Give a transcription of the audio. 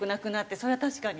それは確かに。